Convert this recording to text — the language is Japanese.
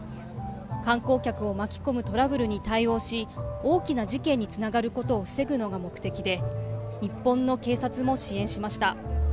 観光客を巻き込むトラブルに対応し大きな事件につながることを防ぐのが目的で日本の警察も支援しました。